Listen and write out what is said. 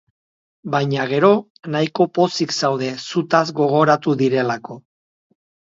Baina, gero, nahiko pozik zaude, zutaz gogoratu direlako.